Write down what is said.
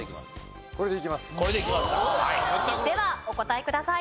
ではお答えください。